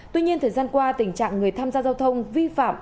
tuy nhiên thời gian qua tình trạng người tham gia giao thông vi phạm